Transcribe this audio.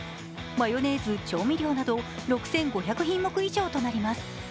マヨネーズ、調味料など６５００品目以上となります。